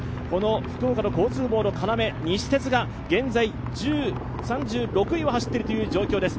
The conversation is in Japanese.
福岡の交通網の要、西鉄が現在３６位を走っている状況です。